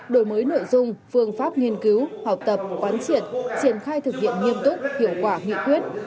đổi mới nội dung phương pháp nghiên cứu học tập quán triệt triển khai thực hiện nghiêm túc hiệu quả nghị quyết